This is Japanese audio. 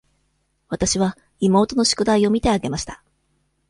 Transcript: わたしは妹の宿題を見てあげました。